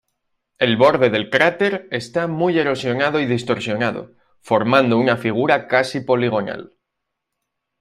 El borde del cráter está muy erosionado y distorsionado, formando una figura casi poligonal.